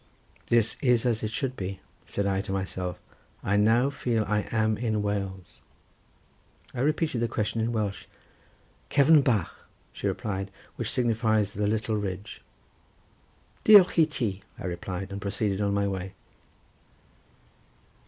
"This is as it should be," said I to myself; "I now feel I am in Wales." I repeated the question in Welsh. "Cefn Bach," she replied—which signifies the little ridge. "Diolch iti," I replied, and proceeded on my way.